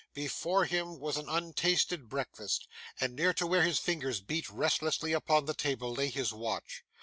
Before him was an untasted breakfast, and near to where his fingers beat restlessly upon the table, lay his watch.